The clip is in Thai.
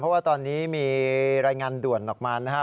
เพราะว่าตอนนี้มีรายงานด่วนออกมานะครับ